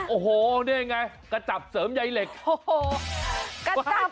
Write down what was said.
โอ้โหนี่ไงกระจับเสริมยายเหล็ก